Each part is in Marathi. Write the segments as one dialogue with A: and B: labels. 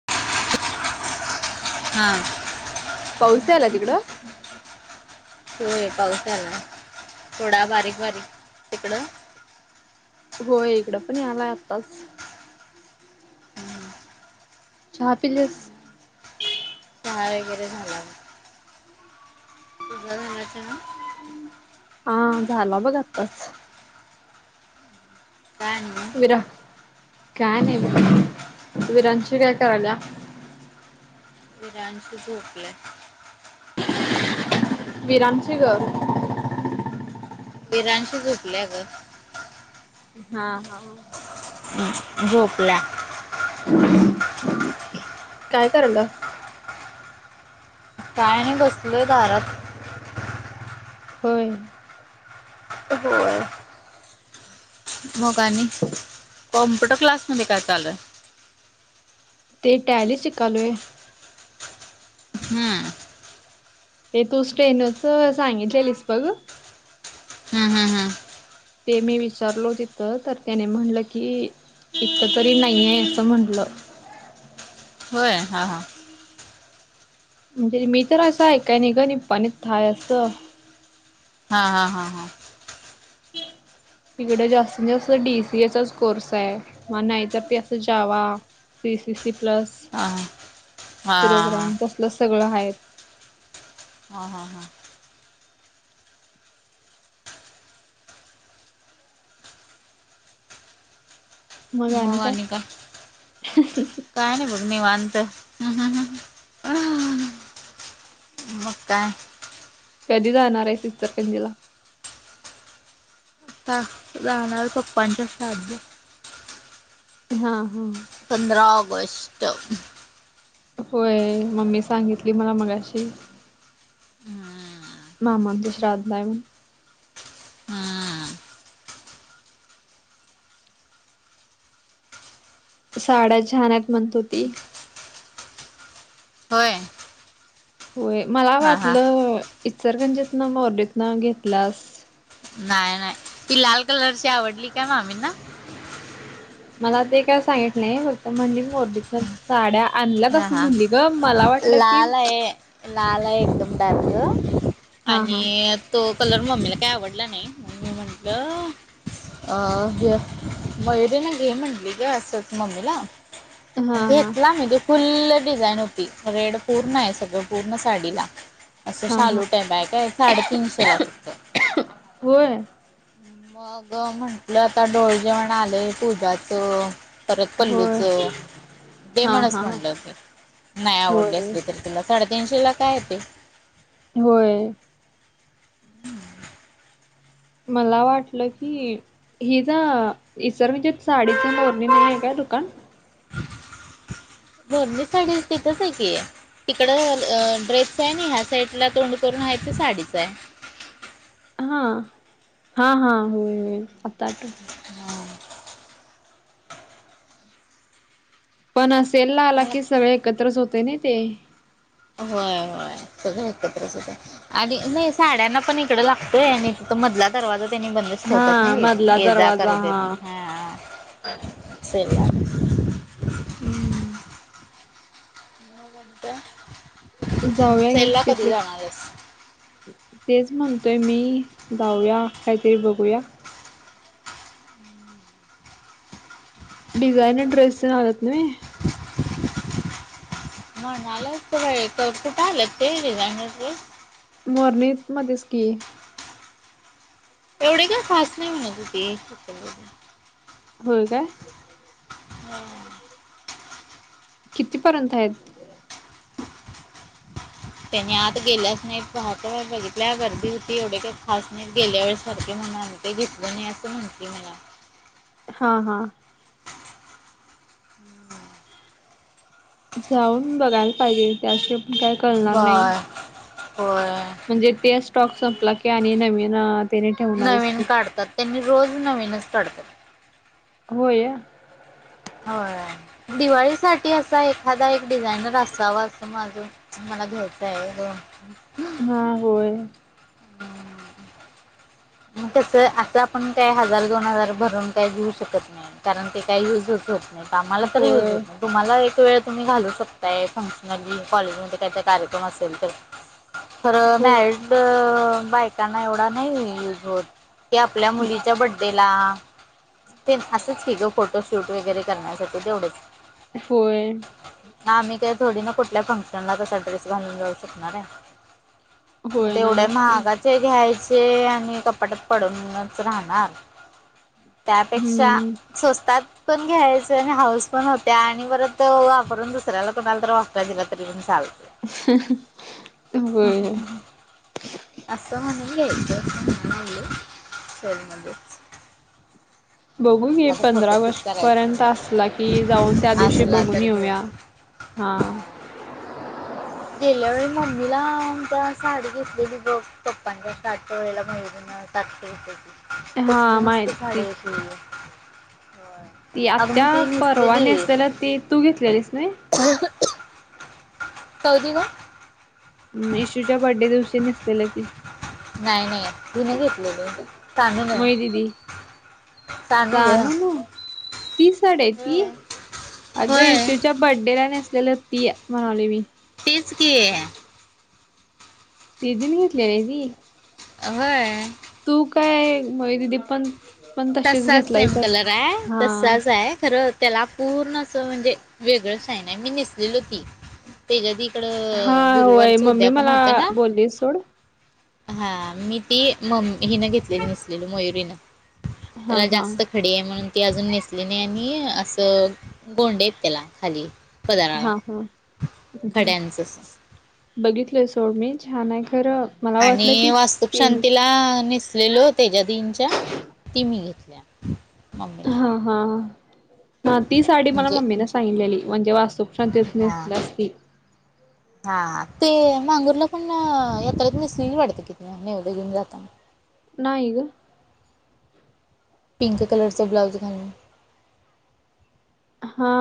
A: [unintelligible]
B: हा
A: पाऊस झाला तिकडं.
B: होय पाऊस यालाय, थोडा बारीक बारीक तिकडं.
A: होय, इकडं पण यालाय आत्ताच.
B: हम्म.
A: चहा पिलीस.
B: चहा वगैरे झाला बघ, तुजा झाला चहा.
A: आ.. झाला बघ आताच.
B: काय आणि मग.
A: विरा, काय नाही बघ. विरांशी काय कराल्या.
B: विरांनशी झोपलाय.
A: विरानंची गं.
B: विरांनशी झोपल्या गं.
A: हा हा.
B: झोपल्या.
A: काय कराल्यास.
B: काय नाही बसलोय दारात.
A: होय.
B: होय. मग आणि, कॉम्प्युटर क्लास मध्ये काय चालूय.
A: ते टॅली शिकालोय.
B: हम्म.
A: ते तू स्टेनच सांगितलेलीस बघ.
B: हम. हम. हं.
A: ते मी विचारलो तिथं, तर त्यानी म्हटलं की. इथं तरी नाहीये, असं म्हटलं.
B: होय. हा.. हा..
A: म्हणजे मी तर असं ऐकाय नाही गं, निपाणीत हाय असं.
B: हा.. हा.. हा.. हा..
A: [inaudible] तिकडे जास्तीत जास्त डीसीएचाच कोर्स आहे, मग नाहीतर त असं जावा. सी सीसी प्लस,
B: हा हा हा हा हा
A: प्रोग्राम तसलं सगळं आहेत.
B: हा.. हा.. हां.. मग आणि काय, काय नाही बघ निवांत. हम्म. मग काय.
A: कधी जाणार आहेस इचरकंजीला.
B: आता जाणार पप्पांच्या श्राद्धला.
A: हा.. हा..
B: पंधरा ऑगस्ट.
A: होय, मम्मी सांगितली मला मगाशी.
B: हम्म.
A: मामानचं श्राद्ध आहे म्हणून.
B: हम्म.
A: साड्या छान आहे म्हणत होती.
B: होय.
A: होय. मला
B: हा हा
A: वाटलं इचलकंरजीतन मोरनीत घेतल्यास.
B: नाही नाही, ती लाल कलरची आवडली का, मामी ना.
A: मला ते काय सांगितली नाही, फक्त मोरणीतन साड्या. आणल्यात
B: हा
A: असं
B: हा
A: म्हणली गं, मला वाटलं की.
B: लाल आहे लाल हाय एकदम डार्क
A: हा हा
B: आणि, तो कलर मम्मीला काय आवडला नाही, मग मी म्हटलं. अ.. हे मयुरीन घे म्हटली गं असंच मम्मीला.
A: हा हा
B: घेेतला मी दुस फुल्ल डिझाईन होती, रेडं पूर्ण आहे सगळं पूर्ण साडीला. असं
A: हा हा
B: शालू टाइप आहे काय, साडेतीनशे ला फक्त.
A: होय
B: मग म्हटलं आता डोहाळे जेवण आले पूजाच. परत
A: होय
B: पल्लूच. ते
A: हा
B: म्हण
A: हा
B: म्हणल नाही आवडली
A: होय
B: असले तरी तुला. साडेतीनशेला तर आहे ते.
A: होय. मला वाटल की हिचा इसर म्हणजे साडीच मोरणी म्हणून आहे काय दुकान.
B: मोरणी साडी तिथच आहे की. तिकड अ ड्रेस आहे. आणि ह्या साईडला तोंड करून आहे ते साडीच आहे.
A: हा हा हा होय होय आता आठवल. पण सेल लावला
B: मला
A: की सगळे एकत्रच होते ना ते.
B: होय होय सगळे एकत्रच होत. आणि नाही साड्यांना पण इकड लागतोय. आणि तिथ मधला दरवाजा त्यांनी बंद
A: हा
B: होतात नाही
A: मधला
B: ये जा
A: दरवाजा
B: करू देत.
A: हा
B: हा सेल लागला
A: हम्म
B: [unintelligible]
A: जाऊया की
B: सेलला कधी
A: तिथले
B: जाणार आहेस?
A: तेच म्हणतोय मी. जाऊया काहीतरी बघूया. डिझाईन ड्रेस हवेत मी.
B: म्हण आलाच त कुठे आलंत ते डिझाईनर ड्रेस.
A: मोरनी मध्येच की.
B: एवढे काही खास नाही म्हणे तीथे.
A: होय काय.
B: हम्म
A: कितीपर्यंत आहेत.
B: त्यांनी आत गेल्यास नाहीत. पाहत बघितल्या गर्दी होती. एवढे काही खास नाहीत. गेल्या वेळेसारखे म्हणून आण ते घेतलं नाही असं म्हटली मला.
A: हा हा
B: [inaudible]
A: जाऊन बघायला पाहिजे. त्या
B: होय होय.
A: म्हणजे ते स्टॉक संपला की, आणि नवीन त्याने ठेवणारच
B: नवीन
A: की.
B: काढतात त्यांनी रोज नवीनच काढतात.
A: होय
B: होय. दिवाळीसाठी असा एखादा एक डिझायनर असावा अस माझ मला घ्यायचा आहे व.
A: हा होय.
B: [unintelligible] मग तस आता आपण काय हजार दोन हजार भरून काय घेऊ शकत नाही. कारण ते काही युजच होत नाही. आम्हाला तर युज होत
A: होय
B: नाही. तुम्हाला एक वेळ तुम्ही घालू शकताय. फंक्शनली कॉलेजमध्ये काहीतर कार्यक्रम असेल तर. खरं
A: होय
B: मॅरिड बायकांना एवढा नाही युज होत. की आपल्या मुलीच्या बड्डे ला. असच ग फोटोशूट वगैरे करण्यासाठी तेवढच.
A: होय.
B: आम्ही काय थोडी ना कुठल्या फंक्शनला तसा ड्रेस घालून जाऊ शकणार आहे. मग
A: होय
B: तेवढ्या
A: नाहीच की
B: महागात चे घ्यायचे. आणि कपाटात पडूनच राहणार. त्यापेक्षा
A: हम्म
B: स्वस्तात पण घ्यायचे. आणि हाऊस पण होते. आणि परत वापरून दुसऱ्याला कोणाला तर वापरायला दिला तरी पण चालत.
A: होय.
B: असं म्हणुन घ्यायच. [unintelligible]
A: बघू घे पंधरा
B: फोटो शूट
A: ऑगस्ट पर्यंत
B: करायचा
A: असला कि जाऊन त्या दिवशी
B: असला
A: बघून
B: तर घेऊया
A: येऊया हा.
B: गेल्या वेळी मम्मीला आमच्या साडी घेतलेली बघ पप्पांच्या सा. [unintelligible] ता तेच तेची
A: हा
B: कसली मस्त
A: माहिती
B: साडी घेतलीये व्हय.
A: ती आत्या परवा नेसलेली होती तू घेतलेलीस नाही.
B: [unintelligible]
A: इशूच्या बड्डे दिवशी नेसलेलं की.
B: नाही नाही तीन नघेतलेले.
A: मय
B: [unintelligible]
A: दिदी सानू ती साडी आहे ती
B: होय.
A: अगं
B: होय
A: येशूची च्या बड्डेला नेसलेलं ती म्हणावलोय मी.
B: तिचं कि.
A: दिदीनी घेतलेली आहे ती.
B: व्हय.
A: तू काय मयुरी दिदी पण पण तशीच
B: तसाच सेम
A: घेतलायसा की
B: कलर आहे
A: हा
B: तसाच आहे खरं त्याला पूर्ण असं म्हणजे वेगळ शाईन आहे मी नेसलेली होती. तेज
A: हा
B: तिकडं
A: होय
B: गुरुवारचं
A: मम्मी
B: उद्यापन
A: मला
B: होतं ना
A: बोलली सोड
B: हा मी ती म्म हिन घेतलेली नसलेली मयुरीनं.
A: हा
B: त्याला
A: हा
B: जास्त खडी आहे म्हणून ती अजून नेसली नाहीये मी असं गोंडेे आहेत त्याला खाली. पदराला
A: हा हा
B: खड्यांचं अस.
A: बघितलंय सोड मी छान आहे. खरं मला वाटलं
B: आणि
A: की
B: वास्तुप
A: ते
B: शांतीला नेसलेलो तेजा दिनच्या ती मी घेतल्या मम्मीला.
A: अ हा. हा ती साडी मला
B: म्हणजे
A: मम्मीने सांगितलेली म्हणजे वास्तुक शांतीस
B: हा
A: नेसली असती.
B: हा ते मांगुरला पण यात्रेत नसलेली वाटते कि ते [unintelligible] घेऊन जाता.
A: नाही ग.
B: पिंक कलरचं ब्लाउज घालून.
A: हा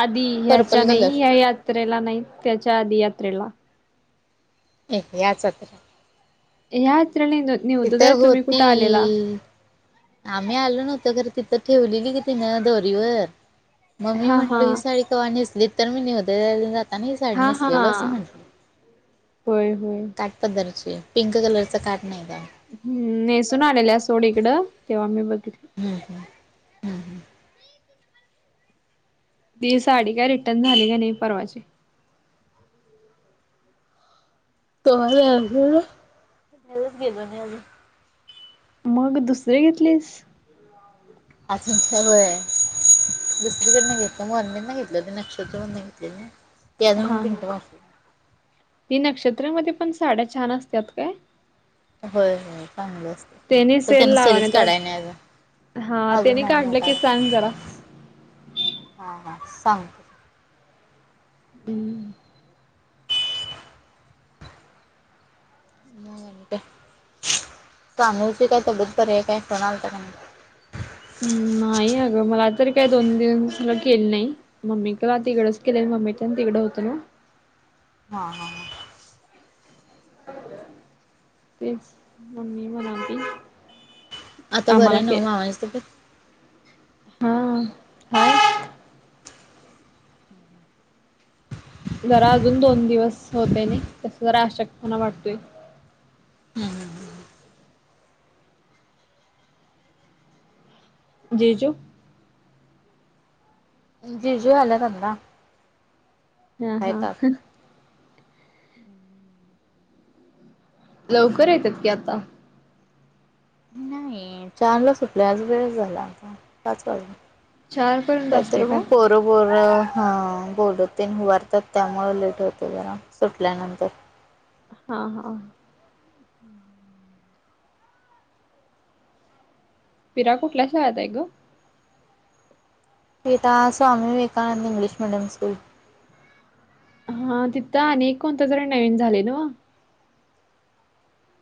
A: आधी ह्याच्या
B: पर्पल
A: नाही
B: कलर
A: ह्या यात त्रेला नाहीत त्याच्या आधी यात्रेला.
B: एक याचं. [unintelligible]
A: ह्या यात्रे. [unintelligible]
B: तिथं होती. आम्ही आलो नव्हतो तरी तिथं ठेवलेली ग तिन दोरीवर. मम्मी
A: हा हा
B: म्हणली ही साडी कवा नसली तर मी. [unintelligible]
A: हा हा
B: नेसलेलो असं
A: होय होय.
B: काट पदरची पिंक कलरच काट नाही का.
A: हम्म नेसून आलेल्या सोड इकडं तेव्हा मी बघितलं.
B: हम्म हम्म
A: ती साडी काय रिटर्न झाली का नाही परवाची? [inaudible]
B: तू आला असेल ना? घ्यायला गेलो नाही अजून
A: मग दुसरी घेतलीस.
B: आज तुमचा वेळ ये. दुसरीकडन घेतलं म्हर ना घेतलं ते नक्षत्र घेतले ते अजून म
A: हा हा
B: पिंट
A: ती नंक्षत्र मध्ये पण साड्या छान असत्यात काय.
B: होय होय चांगलं असत
A: त्यानी
B: तर
A: सेल
B: त्यांनी सगळीच
A: लावाण्यात
B: काढाय
A: वाटत
B: न्याग.
A: हा त्याने काढलं की सांग जरा.
B: हा हा सांगते.
A: हम्म [unintelligible]
B: मग आणि काय स्वामूची काय तब्येत बरी आहे काय फोन आलता का नाही.
A: नाही अगं मला तर काय दोन दिवस काय केलं नाही. मम्मी का तिकडंच केले मम्मी पण तिकडं होते.
B: हा हा
A: तेच मम्मी म्हणाली
B: आता
A: आम्हाला
B: बरं
A: के
B: नव्ह आहेस
A: हा हा जरा अजून दोन दिवस होते मी तसं जरा अशक्तपणा वाटतोय.
B: हम्म
A: जीजू
B: जीजू आले आत्ता
A: हा हा
B: हम्म
A: लवकर येत्यात की आता.
B: नाही चारला सुटलय आज वेळ झाला आता पाच वाजले
A: चार पर्यंत
B: काय
A: असते
B: तर
A: का?
B: बरोबर हा बोलते उभारतात कामाला लेट होते जरा सुटल्यानंतर
A: हा हा
B: हम्म
A: पिरा कुठल्या शाळेत आहे ग?
B: तिना Swami Vivekananda English medium school.
A: हा तिथं आणि एक कोणत तरी नवीन झाले ना.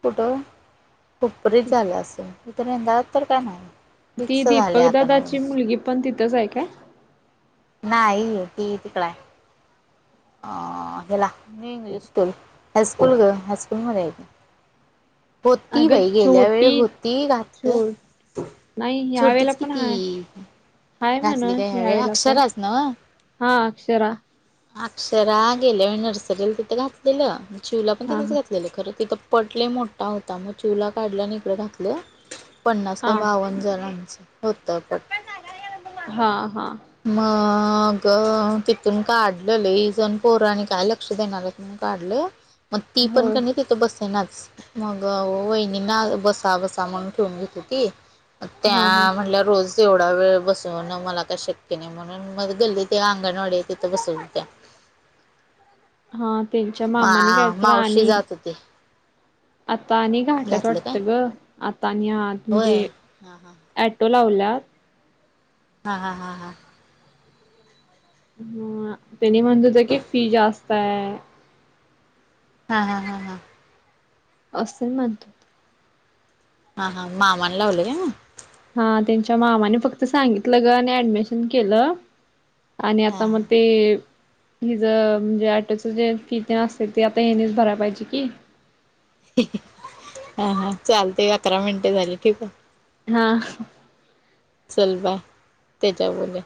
B: कुठं हुपरीत झालं असं इतर रेदाळात तर काय नाही.
A: ती
B: फिक्स झालंय
A: दीपक
B: आता नवीन.
A: दादाची मुलगी पण तिथंच आहे काय?
B: नाही ती तिकडे आहे. आ ह्याला न्यू इंग्लिश स्कूल हायस्कूल ग हायस्कूलमध्ये आहे. होती
A: अगं
B: बाई गेल्या वेळ
A: छोटी
B: होती घातलं.
A: छोट नाही यावेेळेला
B: छोटीच कि
A: पण
B: ती
A: हाय हाय म्हण
B: घातली काय ह्यावेळ
A: यावेेळेला पण
B: अक्षराच ना
A: हा अक्षरा
B: अक्षरा गेल्या नर्सरीला तिथे घातलेलं चिऊला पण
A: हा
B: तिथेच घातलेल. खरं तिथं पट लय मोठा होता मग चिऊला काढला नि इकडं घातलं. पन्नास
A: हा
B: का बावन्न जणांचं होतं पट.
A: हा हा
B: मग तिथून काढलं लई जण पोर आणि काय लक्ष देणार काढलं मग ती पण
A: होय
B: क तिथं बसेनाच मग वहिणी ना बसा बसा म्हणून ठेवून घेत होती.
A: हा हा
B: त्या म्हणल्या रोजच ऐवढा वेळ बसवण मला का शक्य नाही म्हणून मग गल्ली ते अंगणवाडी आहे तिथं बसवत होत्या.
A: हा त्यांच्या मामानी कायतर आणि
B: का ते
A: आता आणि घाटल्यात
B: काय
A: वाटतं ग आता आणि आ
B: होय
A: म्हणजे
B: हा हा
A: ॲटो लावलात
B: हा हा हा हा
A: ह त्यांनी म्हणत होत्या की फी जास्त आहे.
B: हा हा हा हा
A: असे मानतो
B: हा हा मामाला लावलंय काय मग
A: हा त्यांच्या मामाने फक्त सांगितलं ग आणि ऍडमिशन केलं. आणि
B: हा
A: आता मग
B: हा
A: ते हिजं म्हणजे ऑटो जे किती असेल ते आता ह्यांनीच भरायला पाहिजे की.
B: हा हा चालते अकरा मिनटे झाली ठीक आहे.
A: हा
B: चल बाय त्याच्यावर बोलूया